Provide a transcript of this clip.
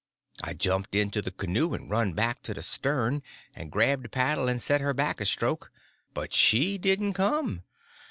I jumped into the canoe and run back to the stern, and grabbed the paddle and set her back a stroke. But she didn't come.